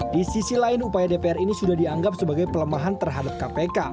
di sisi lain upaya dpr ini sudah dianggap sebagai pelemahan terhadap kpk